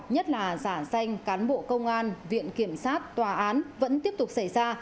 nhất là giả danh cán bộ công an viện kiểm sát tòa án vẫn tiếp tục xảy ra